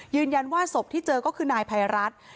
ยืนยันว่าศพที่เจอก็คือนายไพรัส